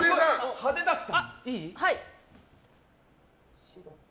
派手だった。